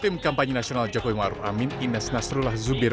tim kampanye nasional jokowi maruf amin ines nasrullah zubir